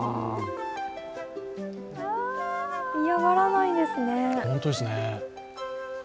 嫌がらないんですね。